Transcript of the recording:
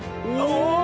お！